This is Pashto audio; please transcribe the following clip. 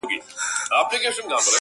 • زور او زير مي ستا په لاس کي وليدی.